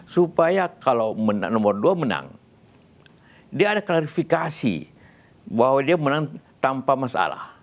supaya kalau nomor dua menang dia ada klarifikasi bahwa dia menang tanpa masalah